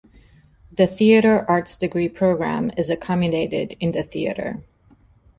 The Theatre Arts degree programme is accommodated in the theatre.